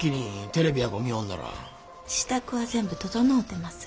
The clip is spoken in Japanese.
支度は全部整うてます。